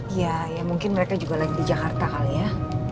iya ya mungkin mereka juga lagi di jakarta kali ya